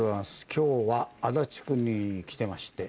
今日は足立区に来てまして。